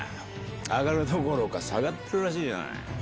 上がるどころか下がってるらしいじゃない。